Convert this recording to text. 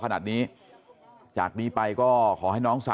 ชาวบ้านในพื้นที่บอกว่าปกติผู้ตายเขาก็อยู่กับสามีแล้วก็ลูกสองคนนะฮะ